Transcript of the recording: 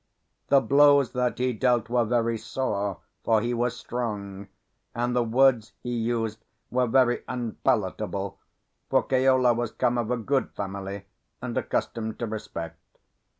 The blows that he dealt were very sore, for he was strong; and the words he used were very unpalatable, for Keola was come of a good family and accustomed to respect.